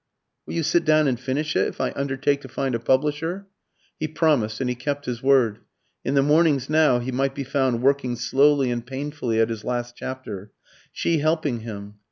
"Will you sit down and finish it, if I undertake to find a publisher?" He promised, and he kept his word. In the mornings now he might be found working slowly and painfully at his last chapter, she helping him.